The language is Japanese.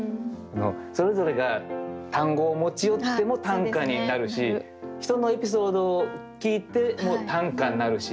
それぞれが単語を持ち寄っても短歌になるし人のエピソードを聞いても短歌になるし。